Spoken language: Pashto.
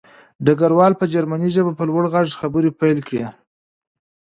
ډګروال په جرمني ژبه په لوړ غږ خبرې پیل کړې